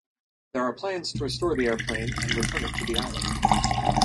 There are plans to restore the airplane and return it to the island.